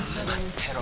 てろ